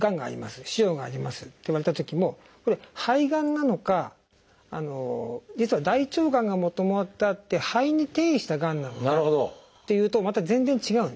腫瘍がありますって言われたときもこれ肺がんなのか実は大腸がんがもともとあって肺に転移したがんなのかっていうとまた全然違うんですね。